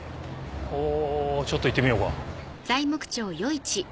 おちょっと行ってみようか。